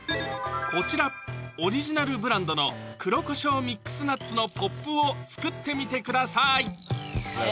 こちらオリジナルブランドの黒胡椒ミックスナッツのＰＯＰを作ってみてください